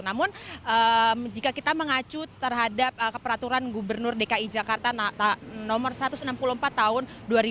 namun jika kita mengacu terhadap keperaturan gubernur dki jakarta nomor satu ratus enam puluh empat tahun dua ribu dua puluh